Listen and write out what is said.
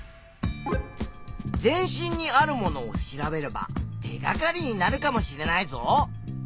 全身にあるものを調べれば手がかりになるかもしれないぞ！